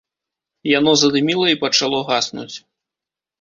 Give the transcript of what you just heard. Яно задыміла і пачало гаснуць.